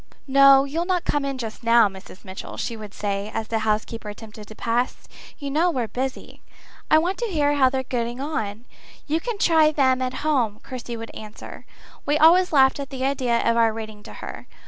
"No, you'll not come in just now, Mrs. Mitchell," she would say, as the housekeeper attempted to pass. "You know we're busy." "I want to hear how they're getting on." "You can try them at home," Kirsty would answer. We always laughed at the idea of our reading to her.